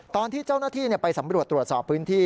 ตอนที่เจ้าหน้าที่ไปสำรวจตรวจสอบพื้นที่